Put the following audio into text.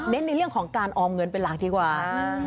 ในเรื่องของการออมเงินเป็นหลักดีกว่า